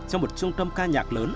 cho một trung tâm ca nhạc lớn